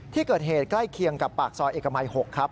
ที่เกิดเหตุใกล้เคียงกับปากซอยเอกมัย๖ครับ